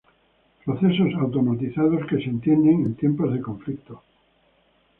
Procesos automatizados que se entienden en tiempos de conflicto.